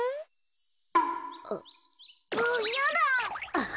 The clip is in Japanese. あっ。